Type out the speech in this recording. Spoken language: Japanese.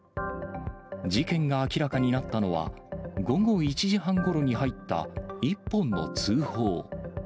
事件が明らかになったのは、午後１時半ごろに入った１本の通報。